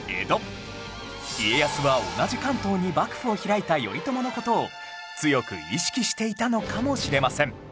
家康は同じ関東に幕府を開いた頼朝の事を強く意識していたのかもしれません